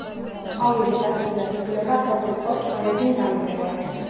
ყვავილის ასეთი აგებულება ხელს უწყობს ჯვარედინ დამტვერვას.